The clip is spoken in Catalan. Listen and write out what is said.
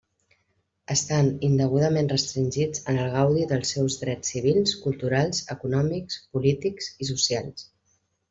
Estan indegudament restringits en el gaudi dels seus drets civils, culturals, econòmics, polítics i socials.